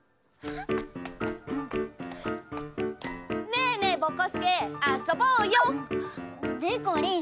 ねえねえぼこすけあそぼうよ！でこりん